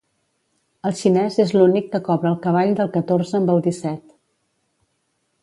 El xinès és l'únic que cobra el cavall del catorze amb el disset.